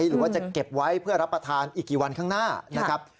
หรือว่าจะเก็บไว้เพื่อรับประทานอีกกี่วันข้างหน้านะครับ